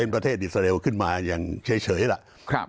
เป็นประเทศอิสราเลียวขึ้นมายังเฉยแล้ว